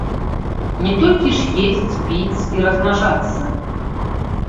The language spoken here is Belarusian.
Не толькі ж есці, піць і размнажацца.